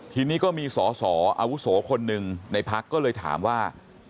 ทีนี้ก็มีสอสออาวุโสคนหนึ่งในพักก็เลยถามว่า